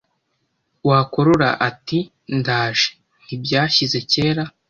Wakorora ati: ndaje Ntibyashyize kera